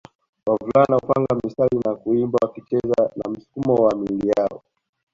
Wavulana hupanga msitari na kuimba wakicheza na msukumo wa miili yao